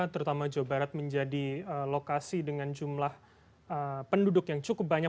terutama jawa barat menjadi lokasi dengan jumlah penduduk yang cukup banyak